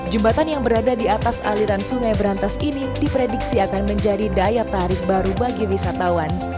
jembatan yang berada di atas aliran sungai berantas ini diprediksi akan menjadi daya tarik baru bagi wisatawan